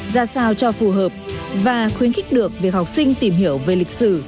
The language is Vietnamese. ra sao cho phù hợp và khuyến khích được việc học sinh tìm hiểu về lịch sử